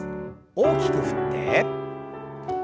大きく振って。